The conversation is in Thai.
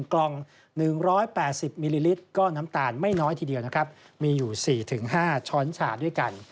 กล่อง๑๘๐มิลลิลิตรก็น้ำตาลไม่น้อยทีเดียวนะครับมีอยู่๔๕ช้อนชาด้วยกัน